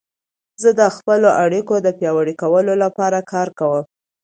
زه د خپلو اړیکو د پیاوړي کولو لپاره کار کوم.